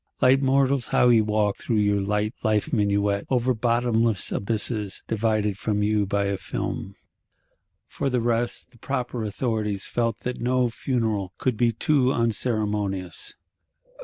Light mortals, how ye walk your light life minuet, over bottomless abysses, divided from you by a film! For the rest, the proper authorities felt that no Funeral could be too unceremonious.